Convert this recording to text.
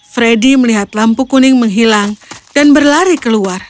freddy melihat lampu kuning menghilang dan berlari keluar